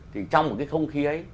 thì trong một cái không khí ấy